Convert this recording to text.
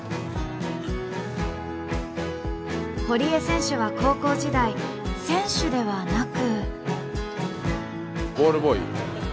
堀江選手は高校時代選手ではなく。